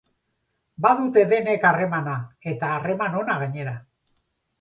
Badute denek harremana eta harreman ona gainera.